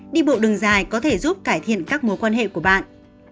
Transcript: đi bộ đường dài có thể giúp cải thiện các mối quan hệ của bạn